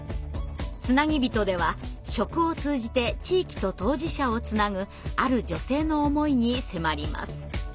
「つなぎびと」では食を通じて地域と当事者をつなぐある女性の思いに迫ります。